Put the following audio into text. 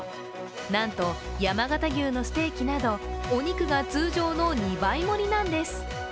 なんと、山形牛のステーキなどお肉が通常の２倍盛りなんです。